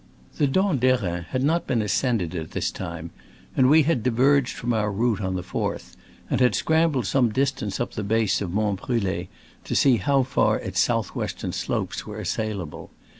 The Dent d'Erin had not been ascend ed at this time, and we had diverged from our route on the 4th, and had scrambled some distance up the base of Mont Brul6, to see how far its south western slopes were assailable.